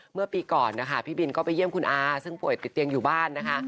เมื่อปีก่อนนะคะพี่บินก็ไปเยี่ยมคุณอาซึ่งป่วยติดเตียงอยู่บ้านนะคะ